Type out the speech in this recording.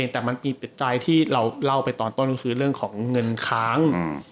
แต่มันมีปัจจัยที่เราเล่าไปตอนต้นก็คือเรื่องของเงินค้าง